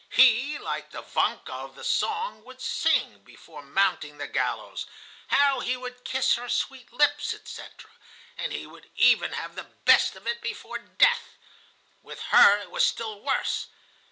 He, like the Vanka of the song, would sing, before mounting the gallows, how he would kiss her sweet lips, etc., and he would even have the best of it before death. With her it was still worse.